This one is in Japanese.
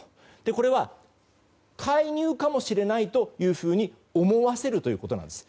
これは、介入かもしれないと思わせるということなんです。